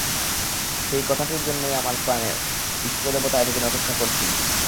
সেই কথাটির জন্যেই আমার প্রাণে আমার ইষ্টদেবতা এত দিন অপেক্ষা করছিলেন।